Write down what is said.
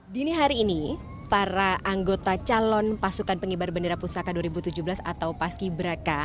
dini hari ini para anggota calon pasukan pengibar bendera pusaka dua ribu tujuh belas atau paski beraka